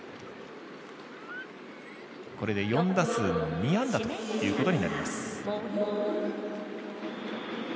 これで４打数の２安打ということになります。